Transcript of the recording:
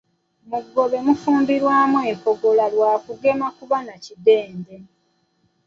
Muggobe mufumbirwamu empogola lwa kugema nkuba na kiddedde.